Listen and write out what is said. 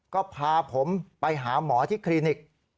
ก็พาผมไปหาหมอที่คลินิก